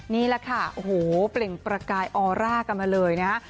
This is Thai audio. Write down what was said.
นี่แหละค่ะโอ้โหเปล่งประกายออร่ากันมาเลยนะฮะ